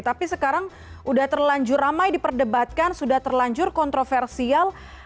tapi sekarang sudah terlanjur ramai diperdebatkan sudah terlanjur kontroversial